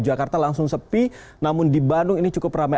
jakarta langsung sepi namun di bandung ini cukup ramai